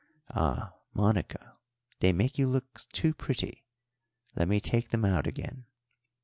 "Ah, Monica, they make you look too pretty let me take them out again."